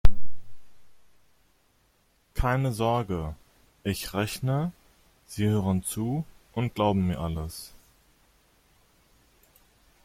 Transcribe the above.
Keine Sorge: Ich rechne, Sie hören zu und glauben mir alles.